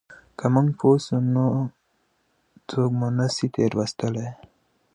که موږ پوه سو نو څوک مو نه سي تېر ایستلای.